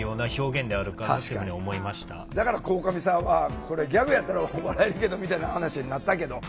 だから鴻上さんはこれギャグやったら笑えるけどみたいな話になったけど。